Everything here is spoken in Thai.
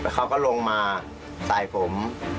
เขาก็ลงมาใส่ผม